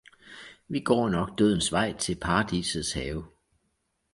Vi går nok dødens vej til Paradisets have!